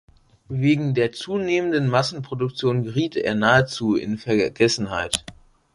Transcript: Wegen der zunehmenden Massenproduktion geriet er nahezu in Vergessenheit.